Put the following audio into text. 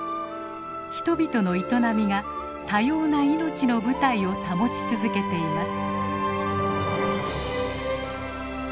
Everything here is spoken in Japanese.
人々の営みが多様な命の舞台を保ち続けています。